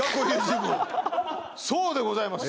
そうでございます